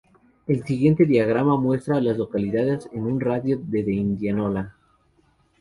El siguiente diagrama muestra a las localidades en un radio de de Indianola.